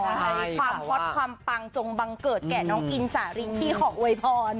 ให้ความฮอตความปังจงบังเกิดแก่น้องอินสาริงที่ขออวยพร